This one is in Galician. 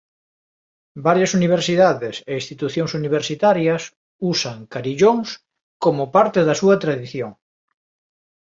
Varias universidades e institucións universitarias usan carillóns como parte da súa tradición.